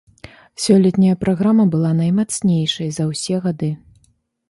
Сёлетняя праграма была наймацнейшай за ўсе гады.